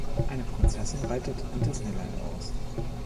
Eine Prinzessin reitet in Disneyland aus.